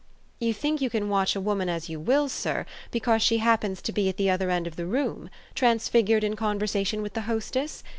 You think you can watch a woman as you will, sir, because she happens to be at the other end of the room? transfigured in conversation with the hostess